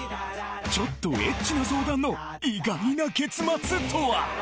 ちょっとエッチな相談の意外な結末とは！？